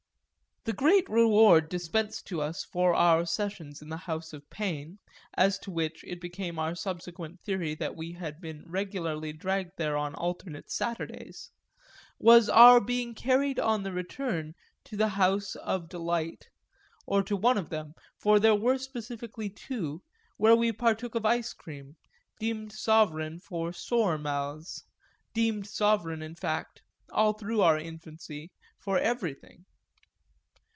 The great reward dispensed to us for our sessions in the house of pain as to which it became our subsequent theory that we had been regularly dragged there on alternate Saturdays was our being carried on the return to the house of delight, or to one of them, for there were specifically two, where we partook of ice cream, deemed sovereign for sore mouths, deemed sovereign in fact, all through our infancy, for everything.